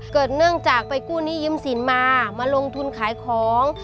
เนื่องจากไปกู้หนี้ยืมสินมามาลงทุนขายของ